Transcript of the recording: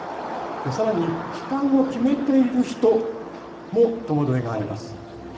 さらに、帰還を決めている人も戸惑いがあります。